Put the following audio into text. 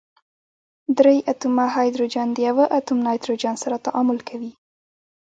درې اتومه هایدروجن د یوه اتوم نایتروجن سره تعامل کوي.